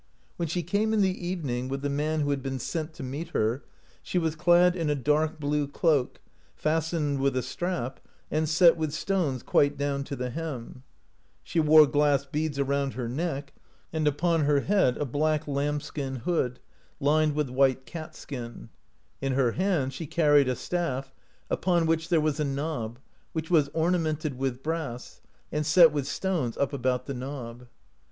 When she came in the evening, with the man who had been sent to meet her, she was clad in a dark blue cloak, fastened with a strap, and set with stones quite down to the hem. She wore glass beads around her neck, and upon her head a black lamb skin hood, 36 THORKEL CONSULTS A SYBIL lined with white cat skin. In her hands she carried a staff, upon which there was a knob, which was oma mented with brass, and set with stones up about the knob.